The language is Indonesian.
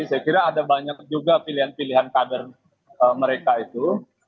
saya kira ada banyak juga pilihan pilihan kader mereka itu